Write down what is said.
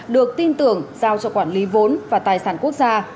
được tin tưởng giao cho quản lý vốn và tài sản quốc gia